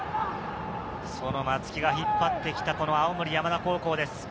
松木が引っ張ってきた青森山田高校です。